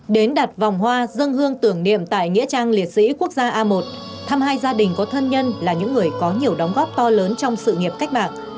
đến đặt vòng hoa dân hương tưởng niệm tại nghĩa trang liệt sĩ quốc gia a một thăm hai gia đình có thân nhân là những người có nhiều đóng góp to lớn trong sự nghiệp cách mạng